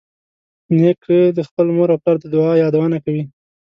نیکه د خپلې مور او پلار د دعا یادونه کوي.